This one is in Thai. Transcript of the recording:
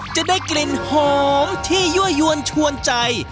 จะได้กลิ่นหอมที่ยั่วยวนชวนใจ